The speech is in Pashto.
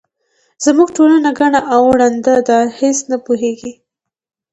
زموږ ټولنه کڼه او ړنده ده هیس نه پوهیږي.